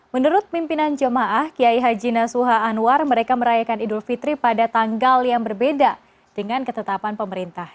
menurut pimpinan jemaah kiai haji nasuha anwar mereka merayakan idul fitri pada tanggal yang berbeda dengan ketetapan pemerintah